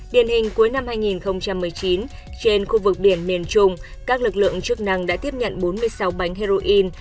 điển hình cuối năm hai nghìn một mươi chín trên khu vực biển miền trung các lực lượng chức năng đã tiếp nhận bốn mươi sáu bánh heroin